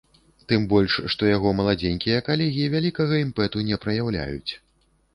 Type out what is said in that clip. Тым больш, што яго маладзенькія калегі вялікага імпэту не праяўляюць.